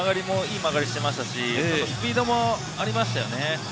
いい曲がりをしていましたし、スピードもありましたよね。